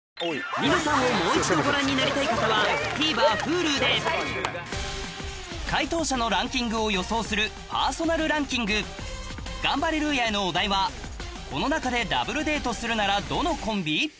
『ニノさん』をもう一度ご覧になりたい方はＴＶｅｒＨｕｌｕで回答者のランキングを予想するパーソナルランキングガンバレルーヤへのお題はこの中でＷデートするならどのコンビ？